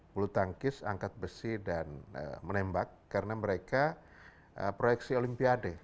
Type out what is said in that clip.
bulu tangkis angkat besi dan menembak karena mereka proyeksi olimpiade